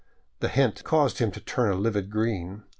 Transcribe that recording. The hint caused him to turn a livid green.